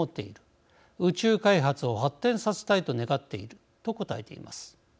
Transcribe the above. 宇宙開発を発展させたいと願っている」と答えています。